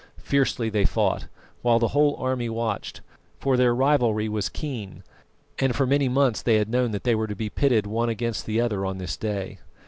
Fiercely they fought, while the whole army watched, for their rivalry was keen and for many months they had known that they were to be pitted one against the other on this day.